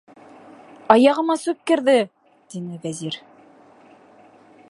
- Аяғыма сүп керҙе, - тине Вәзир.